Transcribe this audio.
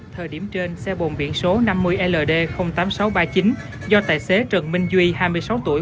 thời điểm trên xe bồn biển số năm mươi ld tám nghìn sáu trăm ba mươi chín do tài xế trần minh duy hai mươi sáu tuổi